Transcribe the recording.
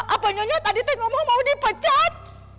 apa nyonya tadi tuh ngomong mau dipecat